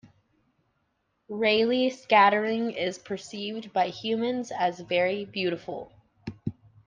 Raleigh scattering is perceived by humans as very beautiful.